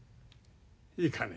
いいかね。